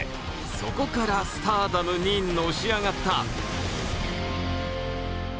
そこからスターダムにのし上がった。